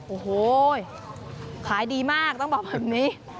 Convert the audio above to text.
โอ้โหขายดีมากต้องบอกแบบนี้